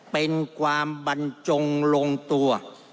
เป็นความบรรจงลงตัว